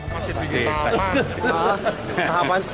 masih tujuh tahapan